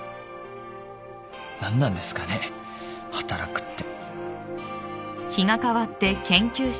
何なんですかね働くって。